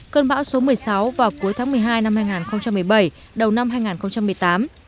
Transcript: cơn bão số một mươi sáu vào cuối tháng một mươi hai năm hai nghìn một mươi bảy đầu năm hai nghìn một mươi tám